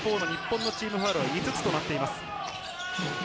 日本のチームファウルは５つとなっています。